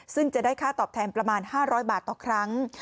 ซึ่งจะได้ค่าตอบแทนประมาณ๕๐๐บาทต่อครั้ง